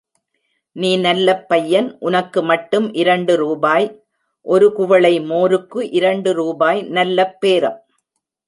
நீ நல்லப் பையன், உனக்கு மட்டும் இரண்டு ரூபாய். ஒரு குவளை மோருக்கு இரண்டு ரூபாய் நல்லப் பேரம்.